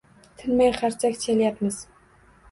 Tinmay qarsak chalyapmiz...